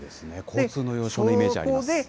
交通の要衝のイメージがあります。